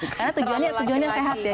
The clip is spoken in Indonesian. karena tujuannya sehat ya